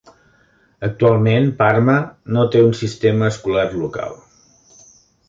Actualment, Parma no té un sistema escolar local.